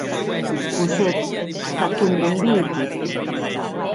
Cosette, qu’ac endonvii tot.